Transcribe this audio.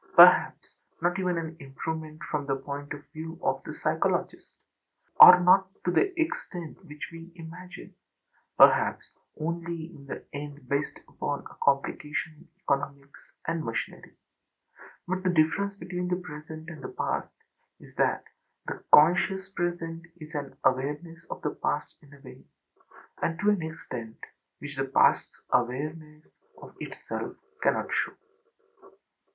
Perhaps not even an improvement from the point of view of the psychologist or not to the extent which we imagine; perhaps only in the end based upon a complication in economics and machinery. But the difference between the present and the past is that the conscious present is an awareness of the past in a way and to an extent which the pastâs awareness of itself cannot show.